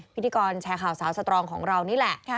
พิธีกรแชร์ข่าวสาวสตรองของเรานี่แหละ